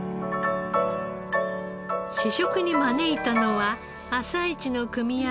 試食に招いたのは朝市の組合